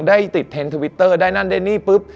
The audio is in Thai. ได้ติดเทรนด์ทวิตเตอร์ได้นั่นได้นี่ปุ๊บ